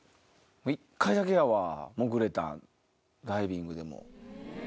１回だけやわ潜れたんダイビングでも。